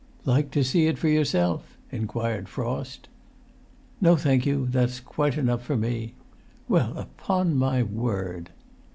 "Like to see it for yourself?" inquired Frost. [Pg 142]"No, thank you; that's quite enough for me. Well, upon my word!"